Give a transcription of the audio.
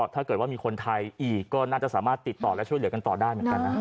ถ้าเกิดว่ามีคนไทยอีกก็น่าจะสามารถติดต่อและช่วยเหลือกันต่อได้เหมือนกันนะ